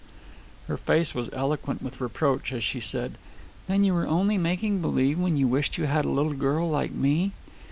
Her face was eloquent with reproach as she said, "Then you were only making believe when you wished you had a little girl like me?"